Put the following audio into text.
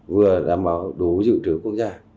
vừa đảm bảo đủ dự trữ quốc gia